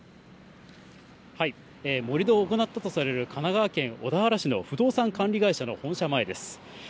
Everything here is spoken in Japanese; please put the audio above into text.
盛り土を行ったとされる神奈川県小田原市の不動産管理会社の本社前です。